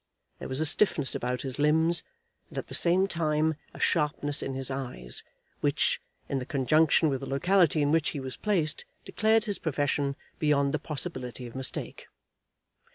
There was a stiffness about his limbs, and, at the same time, a sharpness in his eyes, which, in the conjunction with the locality in which he was placed, declared his profession beyond the possibility of mistake.